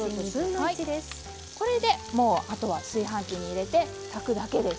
これで、あとは炊飯器に入れて炊くだけです。